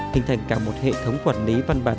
hình thành cả một hệ thống quản lý văn bản